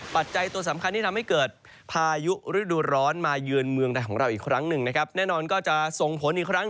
ปัจจัยตัวสำคัญที่ทำให้เกิดพายุฤดูร้อนมาเยือนเมืองไทยของเราอีกครั้งหนึ่งนะครับแน่นอนก็จะส่งผลอีกครั้ง